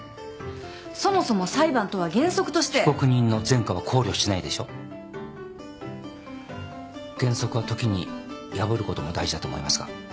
そもそも裁判とは原則として。被告人の前科は考慮しないでしょ。原則は時に破ることも大事だと思いますが。